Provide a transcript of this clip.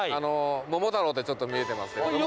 「桃太郎」ってちょっと見えてますけれども。